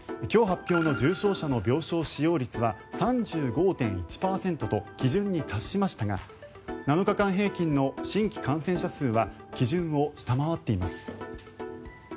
今日発表の重症者の病床使用率は３５．１％と基準に達しましたが７日間平均の新規感染者数は基準を下回っています。